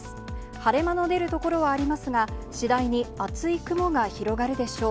晴れ間の出る所はありますが、次第に厚い雲が広がるでしょう。